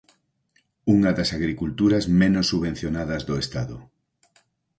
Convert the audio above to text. Unha das agriculturas menos subvencionadas do Estado